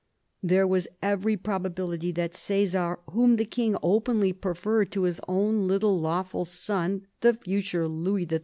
There was every probability that C6sar, whom the King openly preferred to his little lawful son, the future Louis XIII.